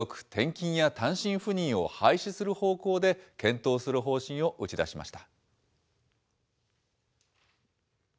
先月末、原則、転勤や単身赴任を廃止する方向で検討する方針を打ち出しました。